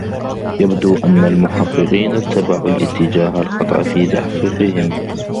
يبدو أنّ المحقّقين اتّبعوا الاتّجاه الخطأ في تحقيقهم.